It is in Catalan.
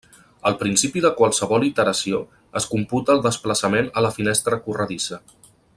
Al principi de qualsevol iteració, es computa el desplaçament a la finestra corredissa.